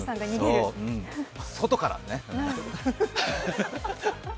外からね。